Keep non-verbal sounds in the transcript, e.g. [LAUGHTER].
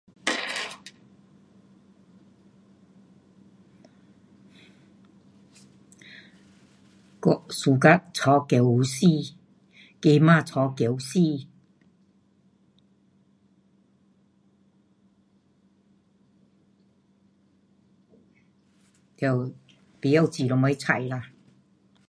[NOISE] 我 suka 超姜母丝，鸡肉炒姜母丝。了，不会煮什么菜啦。